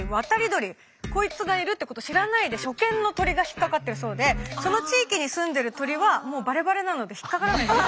こいつがいるってこと知らないで初見の鳥が引っ掛かってるそうでその地域にすんでる鳥はもうバレバレなので引っ掛からないそうです。